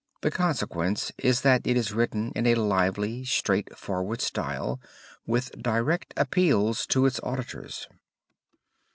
The consequence is that it is written in a lively straightforward style with direct appeals to its auditors.